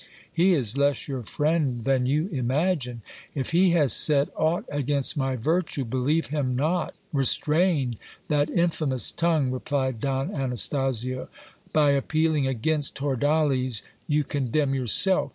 He is less your friend than you imagine. If he has said aught against my virtue, believe him not. Restrain that infamous tongue, replied Don Anastasio. By appealing against Hordales, you condemn yourself.